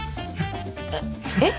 えっえっ？